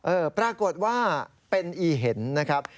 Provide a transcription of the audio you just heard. ปรากฏว่าเป็นอีเห็นนะครับ